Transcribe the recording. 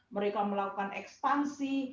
mereka melakukan ekspansi